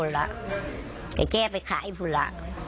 แต่เจ๊ไปขายพูดละ